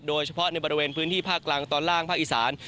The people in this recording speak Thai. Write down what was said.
โดยเฉพาะในบริเวณพื้นที่ภาคกลางตอนล่างภาคอีสาน